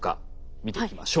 見ていきましょう。